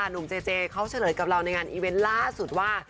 หนุ่มเจเจเขาเฉลยกับเราในงานอีเวนต์ล่าสุดว่า